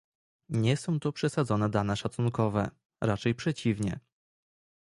Nie są to przesadzone dane szacunkowe, raczej przeciwnie